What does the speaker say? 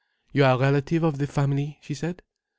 "You are a relative of the family?" she said.